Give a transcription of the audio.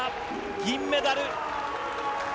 銀メダル。